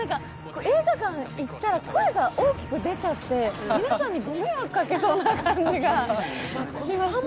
映画館行ったら声が大きく出ちゃって、皆さんに、ご迷惑かけそうな感じがしますね。